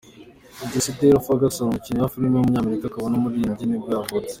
Jesse Tyler Ferguson, umukinnyi wa filime w’umunyamerika akaba n’umuririmbyi nibwo yavutse.